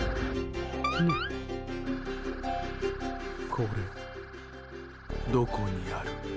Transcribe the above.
これどこにある？